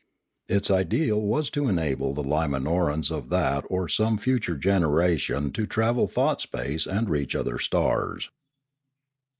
Its ideal was to enable the Limanorans of that or some future generation to travel thought space and reach other stars.